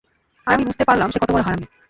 আর আমি পরে বুঝতে পারলাম সে কতো বড় হারামী!